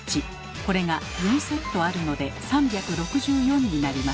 これが４セットあるので３６４になります。